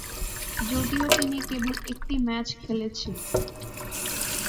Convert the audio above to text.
যদিও তিনি কেবল একটি ম্যাচ খেলেছিলেন।